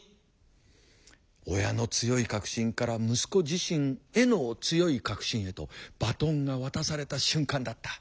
親の強い確信から息子自身への強い確信へとバトンが渡された瞬間だった。